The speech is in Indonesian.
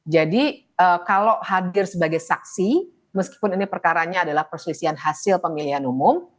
kalau hadir sebagai saksi meskipun ini perkaranya adalah perselisihan hasil pemilihan umum